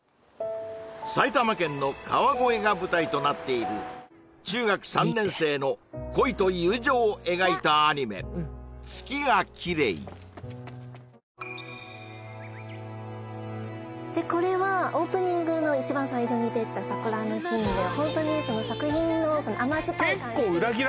埼玉県の川越が舞台となっている中学３年生の恋と友情を描いたアニメ「月がきれい」でこれはオープニングの一番最初に出た桜のシーンでホントにその作品の甘酸っぱい感じ